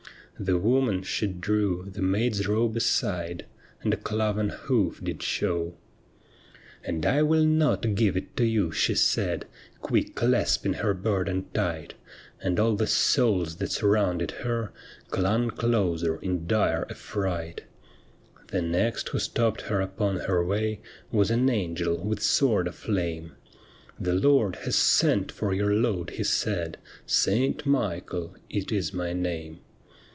The woman she drew the maid's robe aside And a cloven hoof did show. I20 THE WOMAN WHO WENT TO HELL ' And I will not give it to you,' she said, Q.uick clasping her burden tight ; And all the souls that surrounded her Clung closer in dire affright. The next who stopped her upon her way Was an angel with sword aflame :' The Lord has sent for your load/ he said, ' Saint Michael it is my name.'